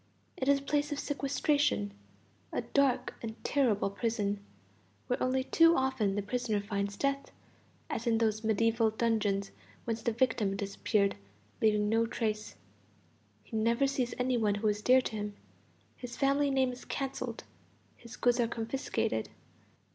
It is a place of sequestration, a dark and terrible prison, where only too often the prisoner finds death, as in those medieval dungeons whence the victim disappeared, leaving no trace. He never sees any who are dear to him. His family name is cancelled, his goods are confiscated.